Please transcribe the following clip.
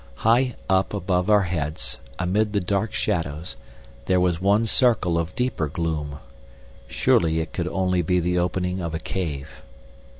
High up above our heads, amid the dark shadows, there was one circle of deeper gloom. Surely it could only be the opening of a cave.